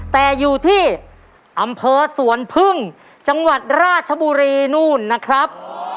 แต่อยู่ที่อำเภอสวนพึ่งจังหวัดราชบุรีนู่นนะครับ